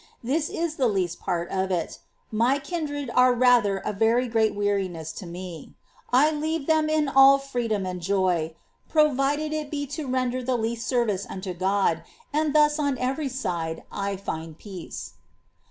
This is the least part of it : my kindred are rather a very great weariness to me ; I leave them 388 S. TERESA'S RELATIONS [REL. II. in all freedom and joy, provided it be to render the least service unto God ; and thus on every side I find peace.